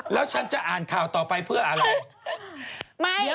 แล้วฉันจะอ่านข่าวต่อไปเพื่ออะไร